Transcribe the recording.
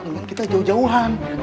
nengang kita jauh jauhan